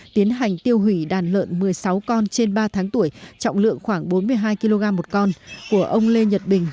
tiến hành tiêu hủy đàn lợn một mươi sáu con trên ba tháng tuổi trọng lượng khoảng bốn mươi hai kg một con của ông lê nhật bình